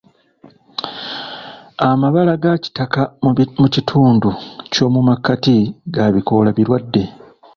Amabala ga kitaka mu kitundu ky'omu makkati ga bikoola birwadde.